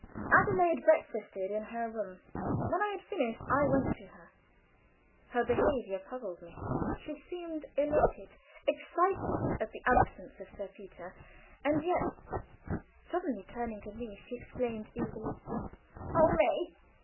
Adelaide breakfasted in her room. When I had finished I went to her. Her behavior puzzled me. She seemed elated, excited, at the absence of Sir Peter, and yet, suddenly turning to me, she exclaimed, eagerly: "Oh, May!